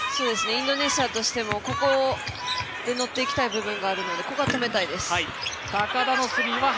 インドネシアとしてもここで乗っていきたい部分があるのでここは止めたいです。